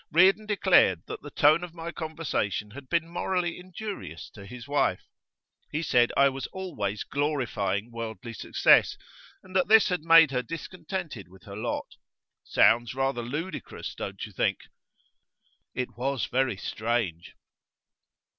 Reardon declared that the tone of my conversation had been morally injurious to his wife. He said I was always glorifying worldly success, and that this had made her discontented with her lot. Sounds rather ludicrous, don't you think?' 'It was very strange.